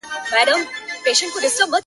ښکلی یې قد و قامت وو ډېر بې حده حسندار,